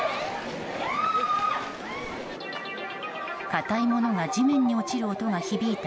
硬いものが地面に落ちる音が響いた